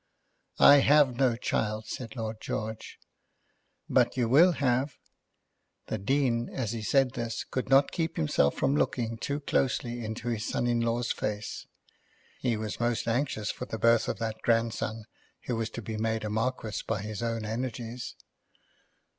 "I have no child," said Lord George. "But you will have." The Dean, as he said this, could not keep himself from looking too closely into his son in law's face. He was most anxious for the birth of that grandson who was to be made a Marquis by his own energies.